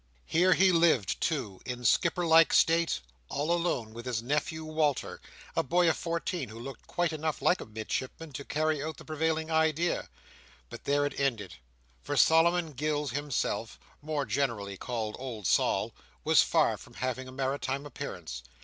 Here he lived too, in skipper like state, all alone with his nephew Walter: a boy of fourteen who looked quite enough like a midshipman, to carry out the prevailing idea. But there it ended, for Solomon Gills himself (more generally called old Sol) was far from having a maritime appearance.